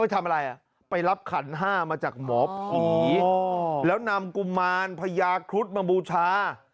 ทำอะไรไปรับขันห้ามาจากหมอผีแล้วนำกุมารพญาครุฑมาบูชา